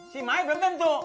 si mai belum tentu